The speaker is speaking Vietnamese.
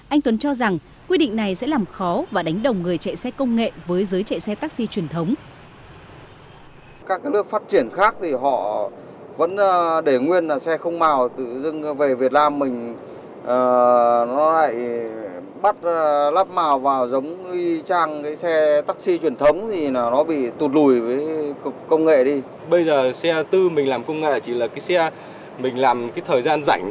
anh tuấn cho rằng quy định này sẽ làm khó và đánh đồng người chạy xe công nghệ với giới chạy xe taxi truyền thống